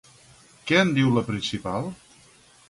Què en diu la principal?